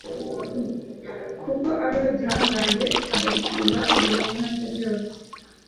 kuko ari we gihangange, agasumba ibiremwa bye byose